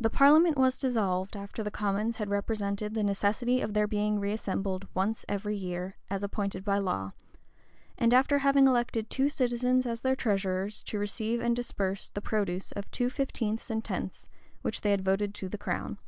The parliament was dissolved, after the commons had represented the necessity of their being reassembled once every year, as appointed by law; and after having elected two citizens as their treasurers, to receive and disburse the produce of two fifteenths and tenths, which they had voted to the crown.